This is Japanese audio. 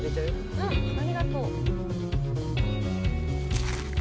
うんありがとう。